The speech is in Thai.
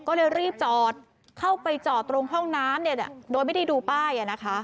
ก็เลยรีบจอดเข้าไปจอดตรงห้องน้ำโดยไม่ได้ดูป้าย